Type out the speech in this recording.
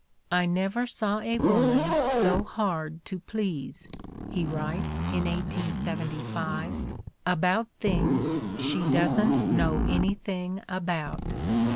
"I never saw a woman so hard to please," he writes in 1875, "about things she doesn't know anything about."